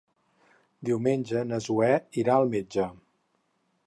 Diumenge na Zoè irà al metge.